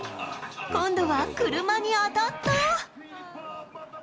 今度は車に当たった。